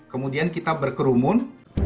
kemudian kita berkerumun